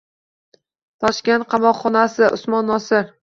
Toshkent qamoqxonasi. Usmon Nosir.